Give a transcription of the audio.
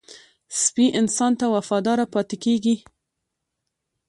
سپي انسان ته وفاداره پاتې کېږي.